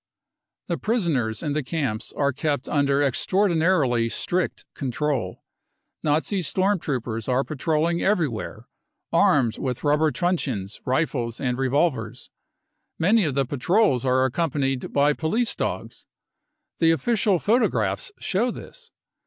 The prisoners in the camps are kept under extraordinarily strict control. Nazi storm troopers are patrolling everywhere, armed with rubber truncheons, rifles and revolvers. Many of the patrols are accompanied by police dogs ; the official photographs show this.